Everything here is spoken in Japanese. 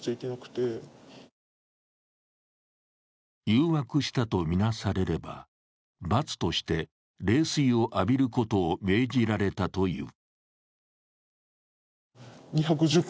誘惑したとみなされれば、罰として冷水を浴びることを命じられたという。